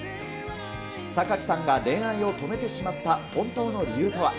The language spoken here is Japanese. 榊さんが恋愛を止めてしまった本当の理由とは。